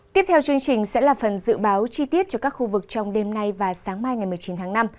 tiếp theo chương trình sẽ là phần dự báo chi tiết cho các khu vực trong đêm nay và sáng mai ngày một mươi chín tháng năm